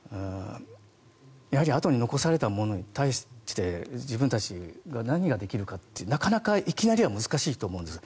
やはり後に残された者に対して自分たちが何ができるかってなかなかいきなりは難しいと思うんです。